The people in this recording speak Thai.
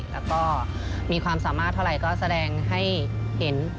แล้วก็มีความสามารถเท่าไหร่ก็แสดงให้เห็น